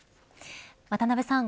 渡辺さん